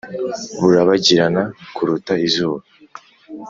burabagirana kuruta izuba